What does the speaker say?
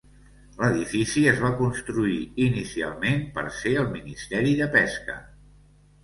L'edifici es va construir inicialment per ser el Ministeri de Pesca.